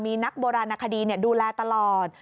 มีนักโบราณคดีดูแลตลอด